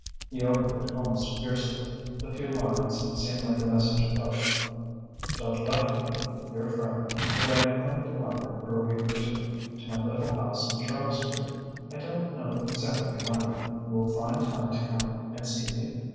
He opened it almost fiercely. The few lines seemed like a message of hope: "Don't laugh at me, dear friend, but I am coming to London for a week or two, to my little house in Charles Street. I don't know exactly when. You will find time to come and see me?"